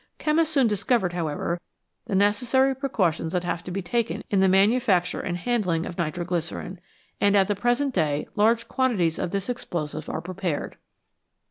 Chemists soon discovered, however, the necessary precautions that have to be taken in the manufacture and handling of nitro glycerine, and at the present day large quantities of this explosive are prepared.